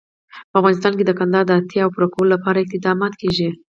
په افغانستان کې د کندهار د اړتیاوو پوره کولو لپاره اقدامات کېږي.